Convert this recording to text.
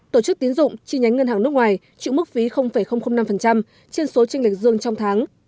tổ chức tiến dụng chi nhánh ngân hàng nước ngoài trịu mức phí năm trên số trinh lịch dương trong tháng